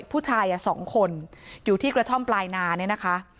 ผู้ชายสองคนอยู่ที่กระท่อมปลายนาเนี่ยนะคะ